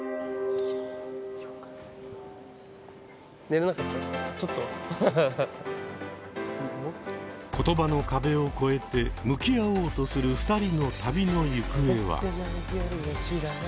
例えば言葉の壁を超えて向き合おうとする２人の旅の行方は？